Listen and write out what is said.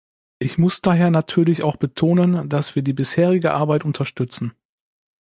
Ich muss daher natürlich auch betonen, dass wir die bisherige Arbeit unterstützen.